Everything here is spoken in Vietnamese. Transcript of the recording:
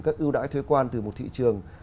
các ưu đãi thuế quan từ một thị trường